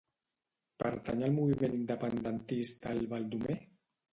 Pertany al moviment independentista el Baldomer?